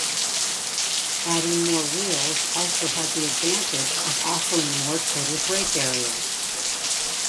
Adding more wheels also had the advantage of offering more total brake area.